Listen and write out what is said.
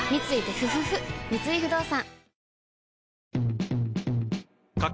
三井不動産